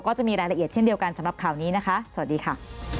ก็จะมีรายละเอียดเช่นเดียวกันสำหรับข่าวนี้นะคะสวัสดีค่ะ